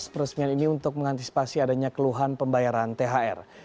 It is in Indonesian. peresmian ini untuk mengantisipasi adanya keluhan pembayaran thr